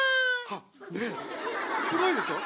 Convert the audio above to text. あっすごいでしょ？